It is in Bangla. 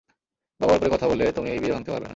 বাবার উপরে কথা বলে তুমি এই বিয়ে ভাঙতে পারবে না।